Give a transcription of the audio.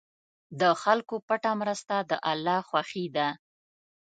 د خلکو پټه مرسته د الله خوښي ده.